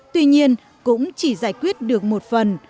tuy nhiên cũng chỉ giải quyết được một phần